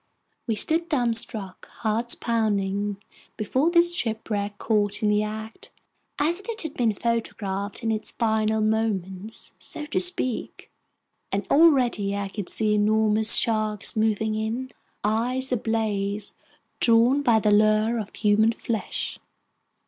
We stood dumbstruck, hearts pounding, before this shipwreck caught in the act, as if it had been photographed in its final moments, so to speak! And already I could see enormous sharks moving in, eyes ablaze, drawn by the lure of human flesh!